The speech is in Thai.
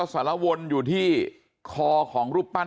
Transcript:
สวัสดีครับคุณผู้ชาย